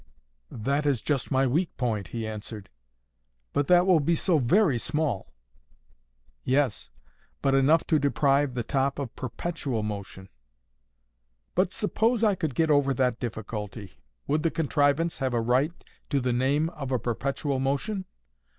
"That is just my weak point," he answered. "But that will be so very small!" "Yes; but enough to deprive the top of PERPETUAL motion." "But suppose I could get over that difficulty, would the contrivance have a right to the name of a perpetual motion?